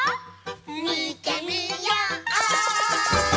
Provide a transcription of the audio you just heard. みてみよう！